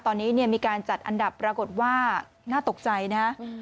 ตอนนี้มีการจัดอันดับปรากฏว่าน่าตกใจนะ